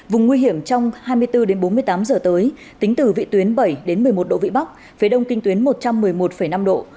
vùng nguy hiểm trong hai mươi bốn bốn mươi tám giờ tới tính từ vị tuyến bảy một mươi một độ vị bắc phía đông kinh tuyến một trăm một mươi một năm độ